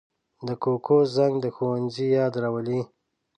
د کوکو زنګ د ښوونځي یاد راولي